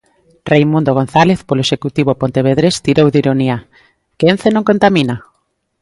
Reimundo González, polo executivo pontevedrés, tirou de ironía: Que Ence non contamina?